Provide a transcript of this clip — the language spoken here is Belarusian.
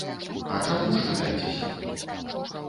А чаму ж, пытайцеся.